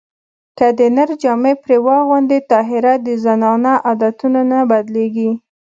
که د نر جامې پرې واغوندې طاهره د زنانو عادتونه نه بدلېږي